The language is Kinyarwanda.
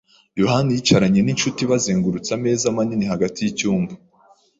yohani yicaranye ninshuti bazengurutse ameza manini hagati yicyumba.